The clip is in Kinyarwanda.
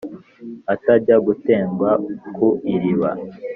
atajya gutendwa ku iriba.